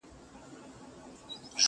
ژوند که ورته غواړې وایه وسوځه٫